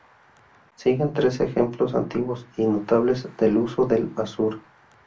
Siguen tres ejemplos antiguos y notables del uso del azur.